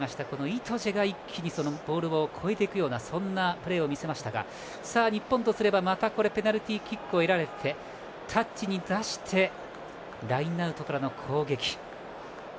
イトジェが一気にボールを越えていくようなそんなプレーを見せましたが日本とすればペナルティーキックをまた得てタッチに出してラインアウトからの攻撃。